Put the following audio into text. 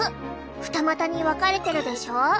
二股に分かれてるでしょ？